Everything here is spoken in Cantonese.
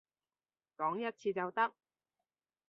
講一次就得